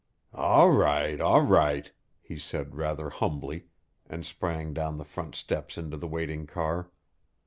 "All right, all right!" he said rather humbly, and sprang down the front steps into the waiting car.